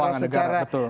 keuangan negara betul